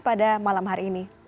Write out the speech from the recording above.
pada malam hari ini